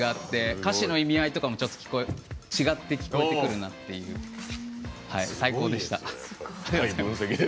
歌詞の意味合いとかも違って聴こえてくるなって最高でした。